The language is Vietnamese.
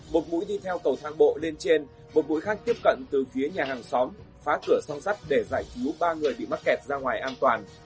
một mũi đi theo cầu thang bộ lên trên một mũi khác tiếp cận từ phía nhà hàng xóm phá cửa song sắt để giải cứu ba người bị mắc kẹt ra ngoài an toàn